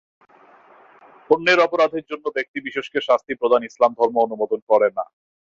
অন্যের অপরাধের জন্য ব্যক্তি বিশেষকে শাস্তি প্রদান ইসলাম ধর্ম অনুমোদন করে না।